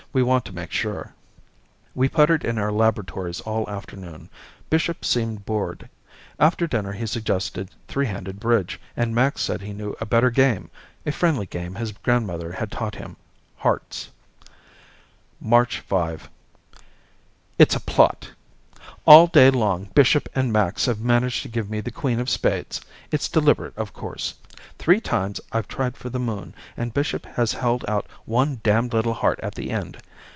We want to make sure." We puttered in our laboratories all afternoon. Bishop seemed bored. After dinner he suggested three handed bridge and Max said he knew a better game, a friendly game his grandmother had taught him hearts. March 5 It's a plot! All day long Bishop and Max have managed to give me the queen of spades. It's deliberate, of course. Three times I've tried for the moon and Bishop has held out one damned little heart at the end.